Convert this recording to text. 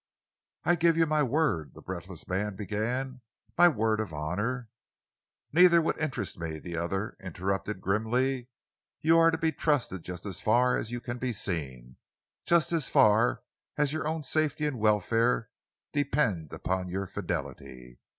"I give you my word," the breathless man began, "my word of honour " "Neither would interest me," the other interrupted grimly. "You are to be trusted just as far as you can be seen, just as far as your own safety and welfare depend upon your fidelity.